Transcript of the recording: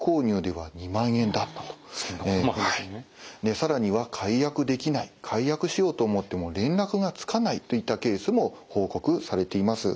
更には解約できない解約しようと思っても連絡がつかないといったケースも報告されています。